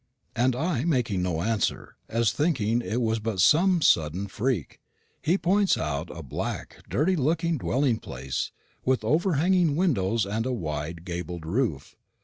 And I making no answer, as thinking it was but some sudden freak, he points out a black dirty looking dwelling place, with overhanging windows and a wide gabled roof.